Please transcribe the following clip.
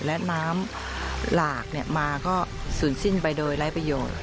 และน้ำหลากมาก็ศูนย์สิ้นไปโดยไร้ประโยชน์